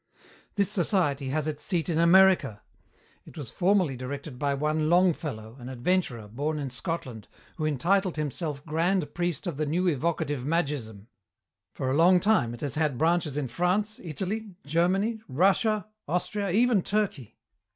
"This society has its seat in America. It was formerly directed by one Longfellow, an adventurer, born in Scotland, who entitled himself grand priest of the New Evocative Magism. For a long time it has had branches in France, Italy, Germany, Russia, Austria, even Turkey.